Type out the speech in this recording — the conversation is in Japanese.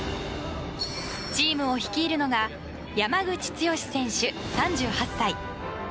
チームを率いるのが山口剛史選手、３８歳。